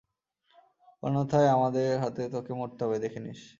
অন্যথায়, আমাদের হাতে তোকে মরতে হবে, দেখে নিস।